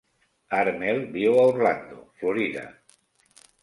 Harmel viu a Orlando, Florida.